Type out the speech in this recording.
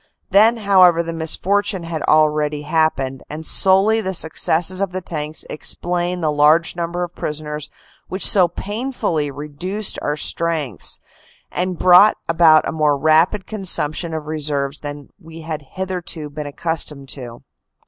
Then, however, the misfortune had already happened, and solely the successes of the tanks explain the large numbers of prisoners which so painfully reduced our strengths, and brought about a more rapid consumption of reserves than we had hitherto been accustomed to.